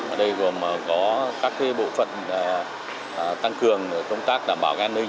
ở đây gồm có các bộ phận tăng cường công tác đảm bảo an ninh